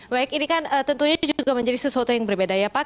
baik ini kan tentunya juga menjadi sesuatu yang berbeda ya pak